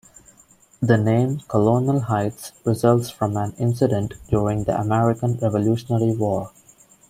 The name "Colonial Heights" results from an incident during the American Revolutionary War.